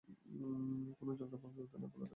কোনো ঝগড়া বা বিবাদে নাক গলাতে যেও না।